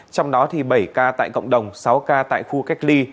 trong đó bảy ca tại cộng đồng sáu ca tại khu cách ly